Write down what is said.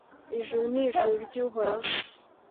Ijuru ni ijuru ry’Uhoraho